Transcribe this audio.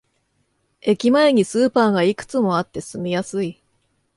駅前にスーパーがいくつもあって住みやすい